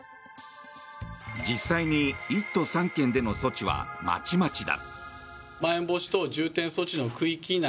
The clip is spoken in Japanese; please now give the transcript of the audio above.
実際に１都３県での措置はまちまちだ。